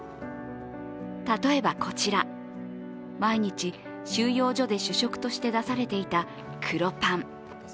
例えばこちら、毎日収容所で主食として出されていた黒パン。